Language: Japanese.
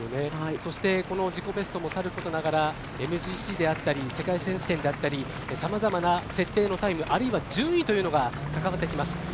そしてこの自己ベストもさることながらＭＧＣであったり世界選手権であったりさまざまな設定のタイムあるいは順位というのが関わってきます。